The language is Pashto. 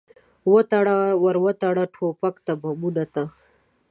وتړه، ور وتړه ټوپکو ته، بمونو ته